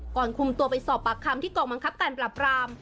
ก่อนคุมตัวไปสอบปากคำที่กองบังคับการปรับราม